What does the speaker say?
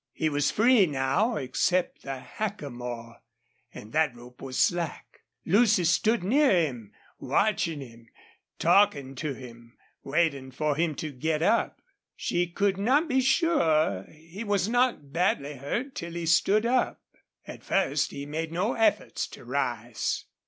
He was free now, except the hackamore, and that rope was slack. Lucy stood near him, watching him, talking to him, waiting for him to get up. She could not be sure he was not badly hurt till he stood up. At first he made no efforts to rise.